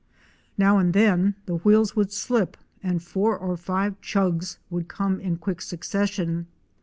Now and then the wheels would slip and four or five chugs would come in quick succession.